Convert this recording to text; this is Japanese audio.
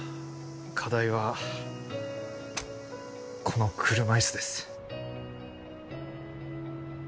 課題はこの車いすです